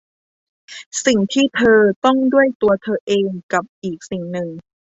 สิ่งที่เธอต้องด้วยตัวเธอเอง กับอีกสิ่งหนึ่ง